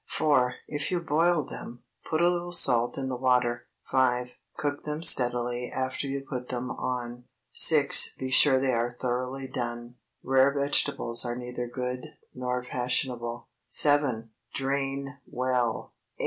4. If you boil them, put a little salt in the water. 5. Cook them steadily after you put them on. 6. Be sure they are thoroughly done. Rare vegetables are neither good nor fashionable. 7. Drain well. 8.